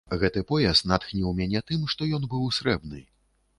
Гэты пояс натхніў мяне тым, што ён быў срэбны.